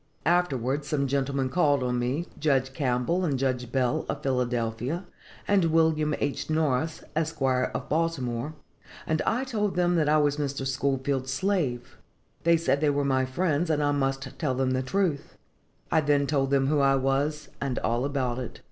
Afterwards some gentlemen called on me [Judge Campbell and Judge Bell, of Philadelphia, and William H. Norris, Esq., of Baltimore], and I told them I was Mr. Schoolfield's slave. They said they were my friends, and I must tell them the truth. I then told them who I was and all about it.